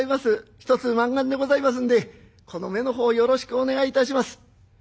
ひとつ満願でございますんでこの目の方よろしくお願いいたします。